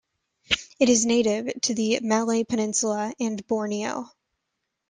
It is native to the Malay Peninsula and Borneo.